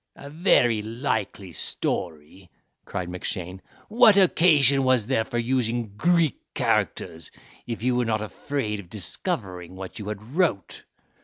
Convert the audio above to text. "A very likely story," cried Mackshane; "what occasion was there for using Greek characters, if you were not afraid of discovering what you had wrote?